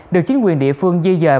được chính quyền địa phương di dời